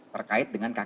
terkait dengan kakit